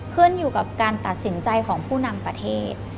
ขึ้นอยู่กับการตัดสินใจของผู้นำประเทศ